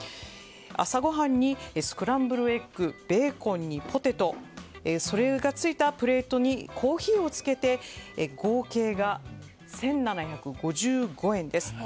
朝ごはんにスクランブルエッグベーコンにポテトそれがついたプレートにコーヒーをつけて合計が１７５５円です。